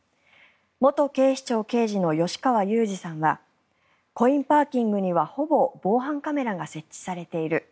元警視庁刑事の吉川祐二さんはコインパーキングにはほぼ防犯カメラが設置されている。